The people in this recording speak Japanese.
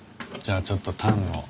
じゃあちょっとタンを。